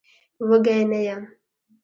وږی نه يم.